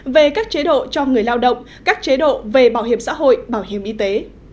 về các chế độ cho người lao động các chế độ về bảo hiểm xã hội bảo hiểm y tế